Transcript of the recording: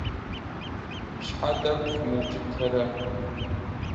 Щхьэ тӏэкӏу фымыукӏытэрэ!